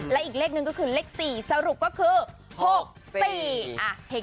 และอีกเลขหนึ่งก็คือเลข๔สรุปก็คือ๖๔